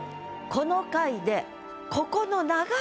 「この階で」